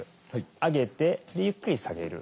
上げてゆっくり下げる。